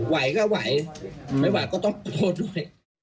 ไหวก็ไหวไม่ไหวก็ต้องโทษด้วย